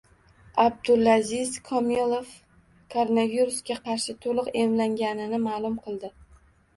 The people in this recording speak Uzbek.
Abdulaziz Komilov koronavirusga qarshi to‘liq emlangani ma’lum qilindi